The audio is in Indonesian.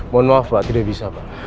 mohon maaf pak tidak bisa pak